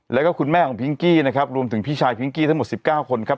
แล้วก็คุณแม่ของพิงกี้นะครับรวมถึงพี่ชายพิงกี้ทั้งหมด๑๙คนครับ